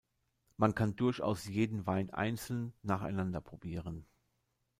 Man kann durchaus jeden Wein einzeln, nacheinander, probieren.